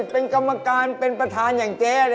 เป็นกรรมการเป็นประธานอย่างเจ๊